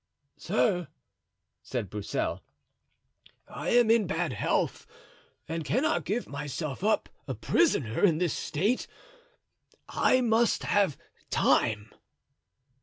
"Sir," said Broussel, "I am in bad health and cannot give myself up a prisoner in this state; I must have time."